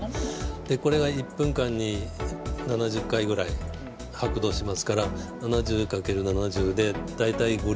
これが１分間に７０回ぐらい拍動しますから７０×７０で大体５Ｌ出ます。